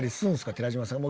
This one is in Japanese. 寺島さんも。